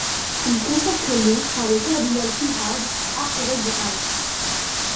Il consacré le par le cardinal Suhard, archevêque de Paris.